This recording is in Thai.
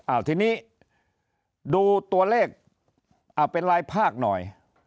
อ่าวทีนี้ดูตัวเลขเอาเป็นลายภาคหน่อย